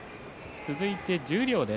続いて十両です。